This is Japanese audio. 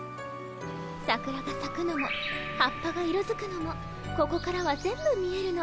さくらがさくのも葉っぱが色づくのもここからは全部見えるの。